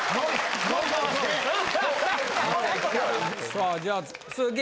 さあじゃあ鈴木！